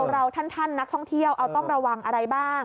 เราท่านนักท่องเที่ยวเราต้องระวังอะไรบ้าง